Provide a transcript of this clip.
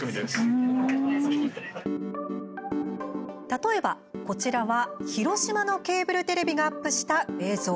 例えば、こちらは広島のケーブルテレビがアップした映像。